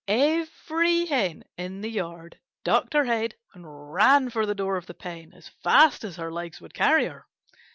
Every Hen in the yard ducked her head and ran for the door of the pen as fast as her legs would carry her.